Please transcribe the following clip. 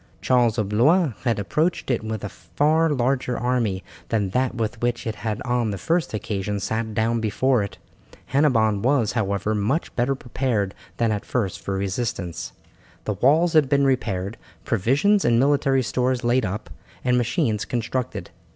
Charles of Blois had approached it with a far larger army than that with which he had on the first occasion sat down before it. Hennebon was, however, much better prepared than at first for resistance. The walls had been repaired, provisions and military stores laid up, and machines constructed.